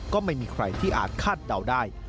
ก็ไม่มีใครที่อาจคาดเดาได้